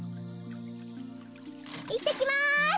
いってきます！